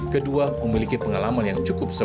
kedua memiliki pengalaman yang cukup